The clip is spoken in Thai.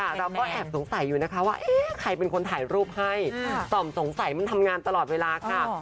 เราก็แอบสงสัยอยู่นะคะว่าเอ๊ะใครเป็นคนถ่ายรูปให้ต่อมสงสัยมันทำงานตลอดเวลาค่ะ